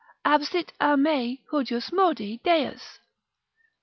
absit a me hujusmodi Deus.